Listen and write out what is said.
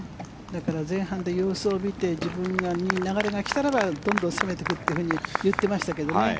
だから、前半で様子を見て自分に流れが来たらどんどん攻めていくと言っていましたけどね。